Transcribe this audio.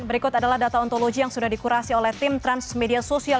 berikut adalah data ontologi yang sudah dikurasi oleh tim transmedia sosial